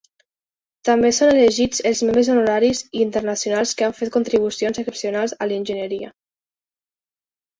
També són elegits els membres honoraris i internacionals que han fet contribucions excepcionals a l'enginyeria.